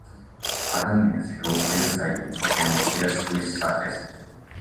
ადამიანს შეუძლია „წაიკითხოს“ ემოცია სხვის სახეზე.